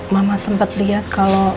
mama sempet liat kalo